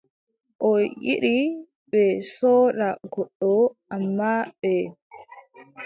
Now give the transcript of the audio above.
O yiɗi ɓe sooda goɗɗo, ammaa ɓe.